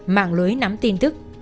mạng lưới nắm tin tức